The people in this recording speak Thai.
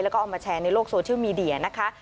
แล้วก็เอามาแชร์ในโลกโซเชียลมีเดียนะคะ